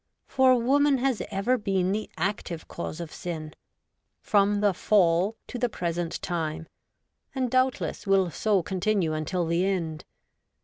For woman has ever been the active cause of sin, from the Fall to the present time, and doubtless will so continue until the end.